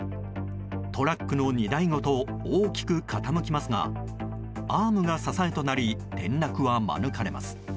トラックの荷台ごと大きく傾きますがアームが支えとなり転落は免れます。